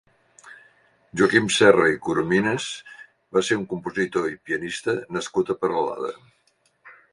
Joaquim Serra i Corominas va ser un compositor i pianista nascut a Peralada.